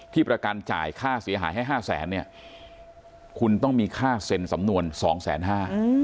ที่ประกันจ่ายค่าเสียหายให้๕๐๐๐๐๐บาทคุณต้องมีค่าเซ็นสำนวน๒๕๐๐๐๐บาท